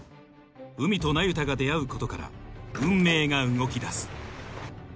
海と那由他が出会うことから運命が動きだす